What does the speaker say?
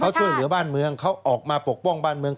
เขาช่วยเหลือบ้านเมืองเขาออกมาปกป้องบ้านเมือง